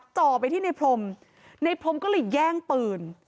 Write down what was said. จ่อไปที่ในพรมในพรมก็เลยแย่งปืน